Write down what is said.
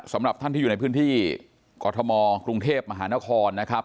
สำหรับท่านที่อยู่ในพื้นที่กรทมกรุงเทพมหานครนะครับ